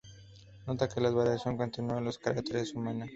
Nota que la variación continúa en los caracteres humana.